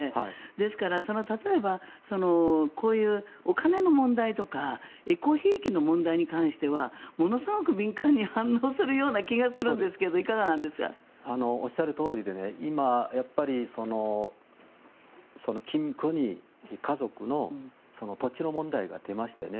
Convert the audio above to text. ですから、例えばこういうお金の問題とかえこひいきの問題に関してはものすごく敏感に反応するような気がするんですがおっしゃるとおりで今、キム・ゴンヒ夫人の家族の土地の問題が出ましたよね。